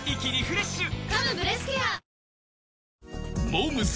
［モー娘。